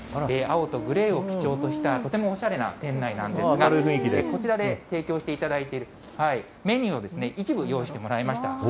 青とグレーを基調としたとてもおしゃれな店内なんですが、こちらで提供していただいているメニューを一部用意してもらいました。